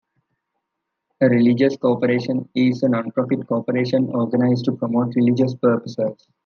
A religious corporation is a nonprofit corporation organized to promote religious purposes.